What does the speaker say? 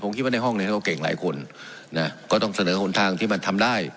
ผมคิดว่าในห้องเนี่ยก็เก่งหลายคนนะก็ต้องเสนอหนทางที่มันทำได้